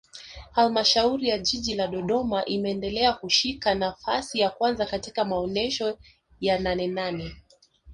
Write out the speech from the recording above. Halmashauri ya Jiji la Dodoma imeendelea kushika nafasi ya kwanza katika maonesho ya Nanenane